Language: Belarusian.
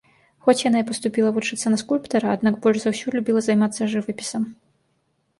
Хоць яна і паступіла вучыцца на скульптара, аднак больш за ўсё любіла займацца жывапісам.